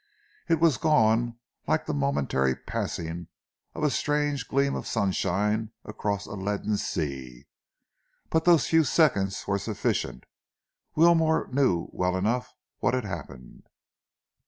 It was gone like the momentary passing of a strange gleam of sunshine across a leaden sea, but those few seconds were sufficient. Wilmore knew well enough what had happened.